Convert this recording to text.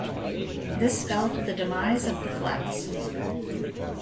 This spelled the demise of the Flats.